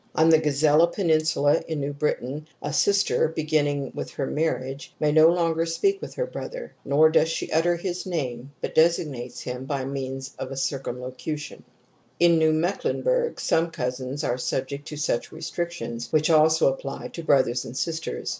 On the Gazella Peninsula in New Britain a sister, beginning with her marriage, may no longer speak with her brother, nor does she utter his name but designates him by means of a circumlocution ^^ In New Mecklenburg some cousins are subject to such restrictions, which also apply to brothers and sisters.